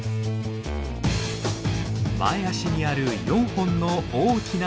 前足にある４本の大きな爪。